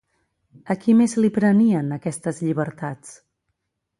A qui més li prenien aquestes llibertats?